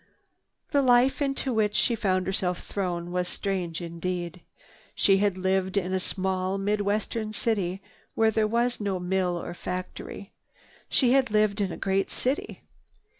The life into which she found herself thrown was strange indeed. She had lived in a small mid western city where there was no mill or factory. She had lived in a great city.